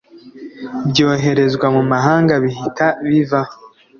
byoherezwa mu mahanga bihita bivaho